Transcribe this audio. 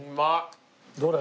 どれ？